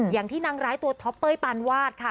อย่างที่นางร้ายตัวท็อปเป้ยปานวาดค่ะ